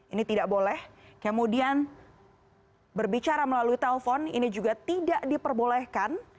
ini tidak boleh kemudian berbicara melalui telepon ini juga tidak diperbolehkan